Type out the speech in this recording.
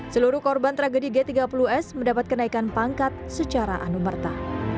seluruh korban tragedi g tiga puluh s mendapat kenaikan pangkat secara anumerta